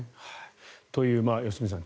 という、良純さん